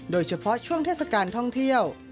โดยเฉพาะช่วงเทศกาลท่องเที่ยว